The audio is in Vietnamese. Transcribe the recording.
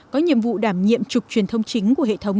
có nhiệm vụ đảm nhiệm trục truyền thông chính của hệ thống